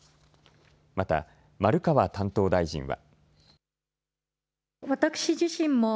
また丸川担当大臣は。